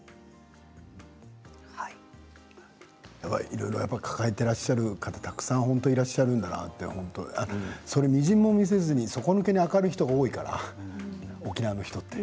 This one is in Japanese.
いろいろ抱えていらっしゃる方、本当にたくさんいらっしゃるんだなってそれをみじんも見せずに底抜けに明るい人が多いから沖縄の人って。